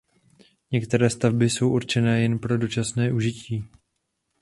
Některé stavby jsou určené jen pro dočasné užití.